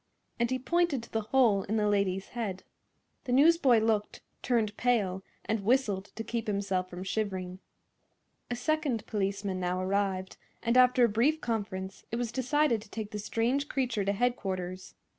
and he pointed to the hole in the lady's head. The newsboy looked, turned pale and whistled to keep himself from shivering. A second policeman now arrived, and after a brief conference it was decided to take the strange creature to headquarters.